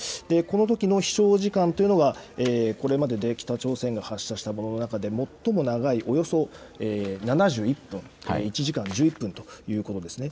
このときの飛しょう時間というのがこれまでで北朝鮮が発射したものの中で最も長いおよそ７１分、１時間１１分ということですね。